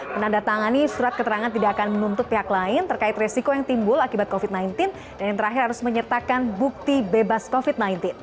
menandatangani surat keterangan tidak akan menuntut pihak lain terkait resiko yang timbul akibat covid sembilan belas dan yang terakhir harus menyertakan bukti bebas covid sembilan belas